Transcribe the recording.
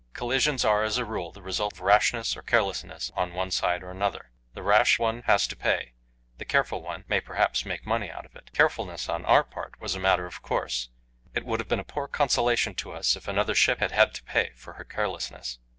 Collisions are, as a rule, the result of rashness or carelessness on one side or the other. The rash one has to pay; the careful one may perhaps make money out of it. Carefulness on our part was a matter of course; it would have been a poor consolation to us if another ship had had to pay for her carelessness.